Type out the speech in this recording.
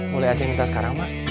boleh acing minta sekarang ma